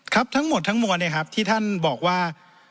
ครับทั้งหมดทั้งมวลเนี่ยครับที่ท่านบอกว่า